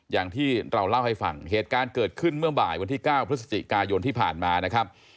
อย่างที่เราเล่าให้ฟังเหตุการณ์เกิดขึ้นเมื่อบ่ายวันที่๙พฤศจิกายนที่ผ่านมานะครับ